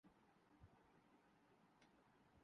سے دو میں جیت حاصل کی ہے